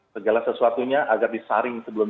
segala sesuatunya agar disaring sebelum